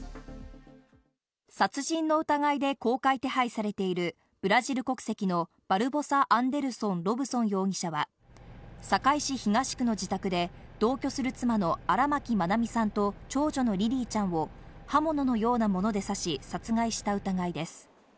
殺人の疑いで公開手配されているブラジル国籍のバルボサ・アンデルソン・ロブソン容疑者は、堺市東区の自宅で同居する妻の荒牧愛美さんと長女のリリィちゃんを刃物のようなもので刺し殺害した疑いです。